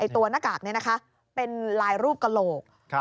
หน้ากากนี้นะคะเป็นลายรูปกระโหลก